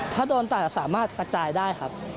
ถ้าโดนตัดสามารถกระจายได้ครับ